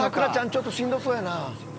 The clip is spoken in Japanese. ちょっとしんどそうやな。